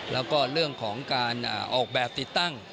แล้วก็เรื่องของการออกแบบติดตั้ง